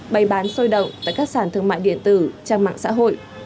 bày bán sôi động tại các sản thương mại điện tử trang mạng xã hội